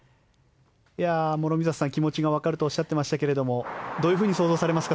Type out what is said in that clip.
諸見里さん気持ちがわかるとおっしゃってましたけどどういうふうに想像されますか。